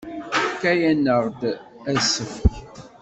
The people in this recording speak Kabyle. Tefka-aneɣ-d asefk.